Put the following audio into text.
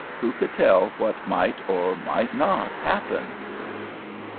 Who could tell what might or might not happen?